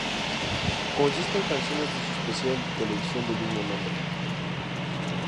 Consiste en canciones de su especial de televisión del mismo nombre.